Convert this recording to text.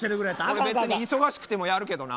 忙しくてもやるけどな。